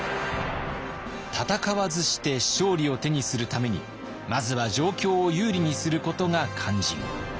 戦わずして勝利を手にするためにまずは状況を有利にすることが肝心。